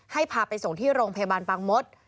พาไปส่งที่โรงพยาบาลปางมด